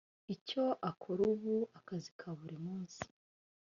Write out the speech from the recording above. icyo akora ubu akazi ka buri munsi